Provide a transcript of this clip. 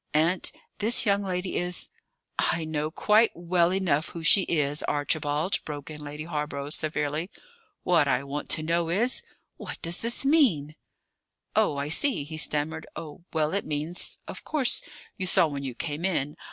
Aunt, this young lady is " "I know quite well enough who she is, Archibald," broke in Lady Hawborough severely. "What I want to know is What does this mean?" "Oh, I see!" he stammered. "Oh, well, it means of course, you saw when you came in?